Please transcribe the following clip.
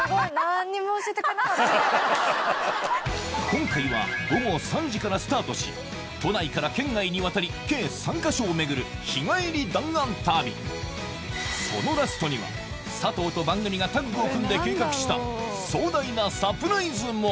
今回は午後３時からスタートし都内から県外にわたり計３か所を巡る日帰り弾丸旅そのラストには佐藤と番組がタッグを組んで計画した壮大なサプライズも！